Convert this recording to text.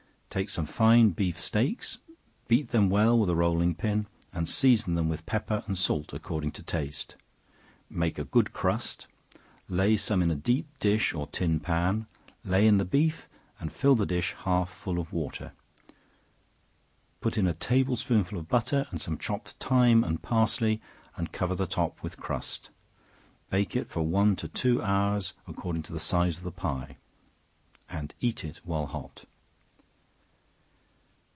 Take some fine beef steaks, beat them well with a rolling pin, and season them with pepper and salt according to taste. Make a good crust; lay some in a deep dish or tin pan; lay in the beef, and fill the dish half full of water; put in a table spoonful of butter and some chopped thyme and parsley, and cover the top with crust; bake it from one to two hours, according to the size of the pie, and eat it while hot.